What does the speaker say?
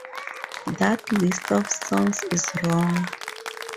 That list of songs is wrong.